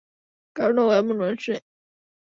কারণ, ও এমন মানুষ নয়।